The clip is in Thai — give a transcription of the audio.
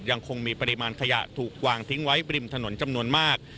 ยังคงมีปริมาณขยะถูกวางทิ้งไว้บริมถนนจำนวนมาก